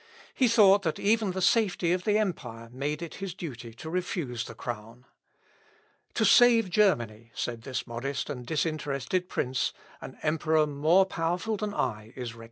He thought that even the safety of the empire made it his duty to refuse the crown. "To save Germany," said this modest and disinterested prince, "an emperor more powerful than I is requisite."